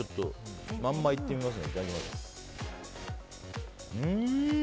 まんまいってみますね。